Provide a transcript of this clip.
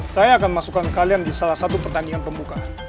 saya akan masukkan kalian di salah satu pertandingan pembukaan